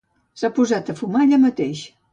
S'ha posat a fumar allà mateix.